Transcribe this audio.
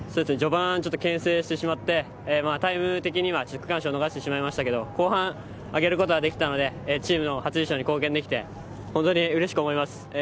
序盤ちょっとけん制してしまってタイム的には区間賞のがしてしまいましたけど、後半、上げることができたのでチームの初優勝に貢献できて本当にうれしく思います。